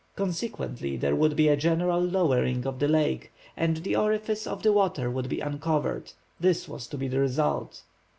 Consequently, there would be a general lowering of the lake, and the orifice of the water would be uncovered—this was to be the result.